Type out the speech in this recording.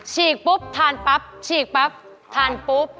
ฉีกปุ๊บทานปั๊บฉีกปั๊บทานปุ๊บ